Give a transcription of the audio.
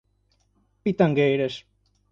Pitangueiras